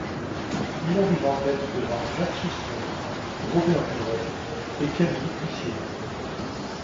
Il arrive en tête devant Jacques Soustelle, Robert Buron, et Camille Lhuissier.